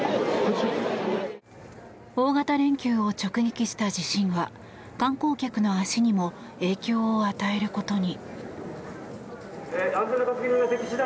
大型連休を直撃した地震は観光客の足にも影響を与えることに。